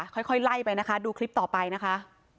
ค่อยไล่ไปนะคะดูคลิปต่อไปนะคะ